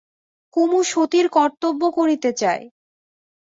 কুমু সতীর কর্তব্য করতে চায়।